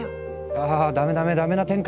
あダメダメダメな展開。